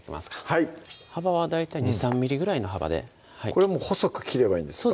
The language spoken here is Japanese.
はい幅は大体２３ｍｍぐらいの幅でこれ細く切ればいいんですか？